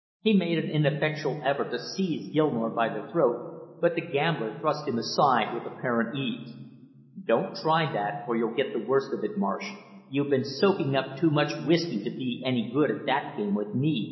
He made an ineffectual effort to seize Gilmore by the throat, but the gambler thrust him aside with apparent ease. "Don't try that or you'll get the worst of it, Marsh; you've been soaking up too much whisky to be any good at that game with me!"